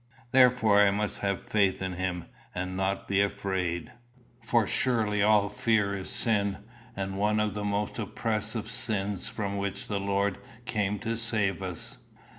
Therefore I must have faith in him, and not be afraid; for surely all fear is sin, and one of the most oppressive sins from which the Lord came to save us.